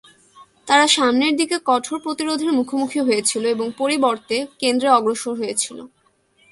তারা সামনের দিকে কঠোর প্রতিরোধের মুখোমুখি হয়েছিল এবং পরিবর্তে কেন্দ্রে অগ্রসর হয়েছিল।